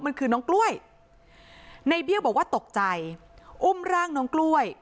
มันคือน้องกล้วยในเบี้ยวบอกว่าตกใจอุ้มร่างน้องกล้วย